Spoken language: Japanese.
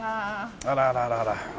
あらららら。